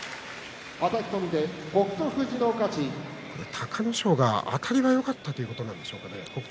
隆の勝があたりがよかったということなんでしょうが、北勝